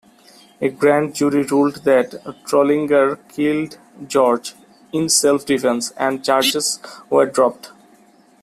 A grand jury ruled that Trolinger killed George in self-defense, and charges were dropped.